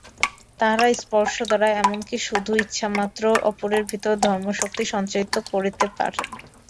তাঁহারা স্পর্শ দ্বারা, এমন কি শুধু ইচ্ছামাত্র অপরের ভিতর ধর্মশক্তি সঞ্চারিত করিতে পারেন।